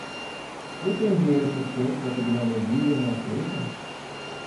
Eu tenho dinheiro suficiente para pedir uma bebida e uma fruta?